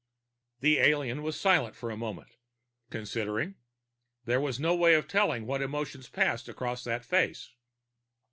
The alien was silent for a moment. Considering? There was no way of telling what emotions passed across that face.